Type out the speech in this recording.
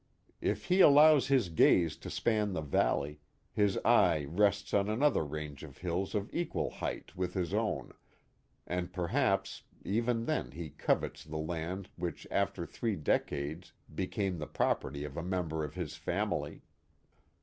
If he allows his gaze to span the valley, his eye rests on another range of hills of equal height with his own, and per haps even then he covets the land which after three decades became the property of a member of his family.